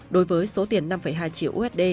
đối với số tiền năm hai triệu usd